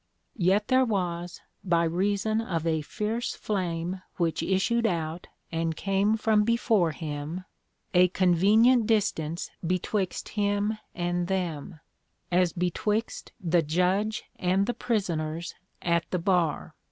Yet there was, by reason of a fierce flame which issued out and came from before him, a convenient distance betwixt him and them, as betwixt the Judge and the Prisoners at the bar.